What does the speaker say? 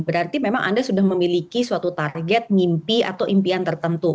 berarti memang anda sudah memiliki suatu target mimpi atau impian tertentu